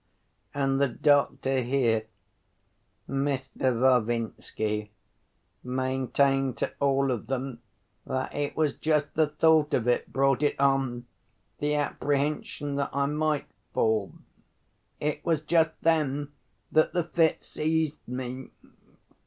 And the doctor here, Mr. Varvinsky, maintained to all of them that it was just the thought of it brought it on, the apprehension that I might fall. It was just then that the fit seized me.